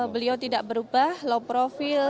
beliau tidak berubah low profil